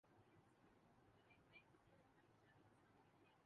F B کا doctors کے بعد فیشن ڈیزائنرز کے گرد گھیرا تنگ